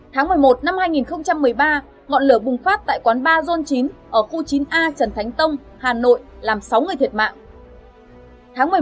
tháng một mươi một năm hai nghìn một mươi ba ngọn lửa bùng phát tại quán bazon chín ở khu chín a trần thánh tông hà nội làm sáu người thiệt mạng